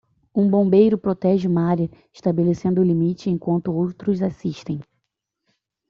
Um bombeiro protege uma área estabelecendo um limite enquanto outros assistem.